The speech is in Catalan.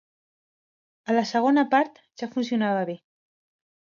A la segona part, ja funcionava bé.